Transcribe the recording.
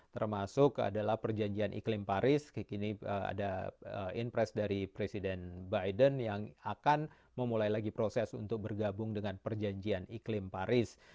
termasuk adalah perjanjian iklim paris kekini ada inpres dari presiden biden yang akan memulai lagi proses untuk bergabung dengan perjanjian iklim paris